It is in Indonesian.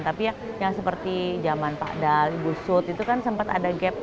tapi yang seperti zaman pak dal ibu sud itu kan sempat ada gap